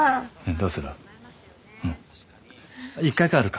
どうする？